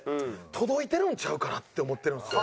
届いてるんちゃうかなって思ってるんですよ。